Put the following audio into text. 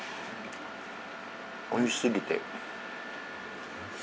おいしすぎて。